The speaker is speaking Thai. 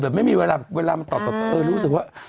แบบไม่มีเวลามาตอบเออรู้สึกว่า